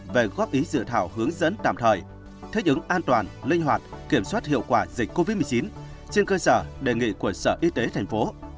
về góp ý dự thảo hướng dẫn tạm thời thích ứng an toàn linh hoạt kiểm soát hiệu quả dịch covid một mươi chín trên cơ sở đề nghị của sở y tế thành phố